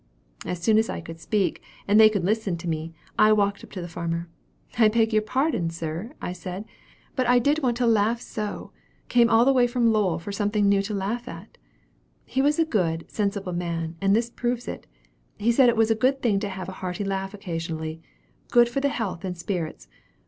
"As soon as I could speak, and they could listen to me, I walked up to the farmer. 'I beg your pardon sir,' said I, 'but I did want to laugh so! Came all the way from Lowell for something new to laugh at.' He was a good, sensible man, and this proves it. He said it was a good thing to have a hearty laugh occasionally good for the health and spirits.